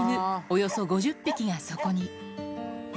およそ５０匹がそこに。